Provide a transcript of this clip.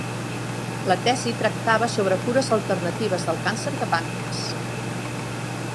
La tesi tractava sobre cures alternatives del càncer de pàncrees.